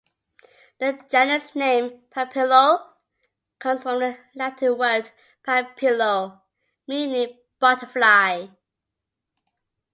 The genus name "Papilio" comes from the Latin word "papilio" meaning butterfly.